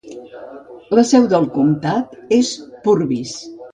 La seu del comtat és Purvis.